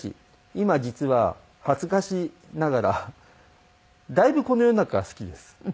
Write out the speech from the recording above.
今実は恥ずかしながらだいぶこの世の中が好きです。